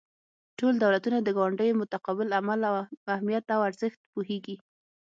ټول دولتونه د ګاونډیو متقابل عمل اهمیت او ارزښت پوهیږي